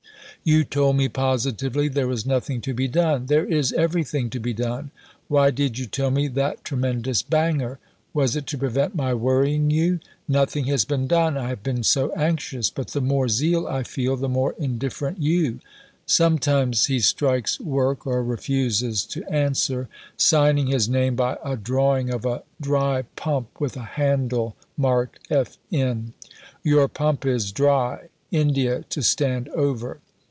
"You told me positively there was nothing to be done. There is everything to be done." "Why did you tell me that tremendous banger? Was it to prevent my worrying you?" "Nothing has been done. I have been so anxious; but the more zeal I feel, the more indifferent you." Sometimes he strikes work, or refuses to answer, signing his name by a drawing of a dry pump with a handle marked "F.N.": "Your pump is dry. India to stand over."